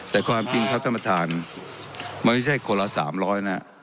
แต่ความจริงครับท่านประธานมันไม่ใช่คนละ๓๐๐นะ